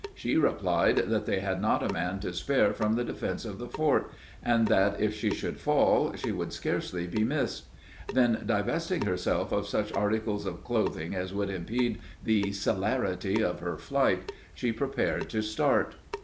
She replied, that they had not a man to spare from the defence of the fort, and that if she should fall, she would scarcely be missed. Then divesting herself of such articles of clothing as would impede the celerity of her flight, she prepared to start.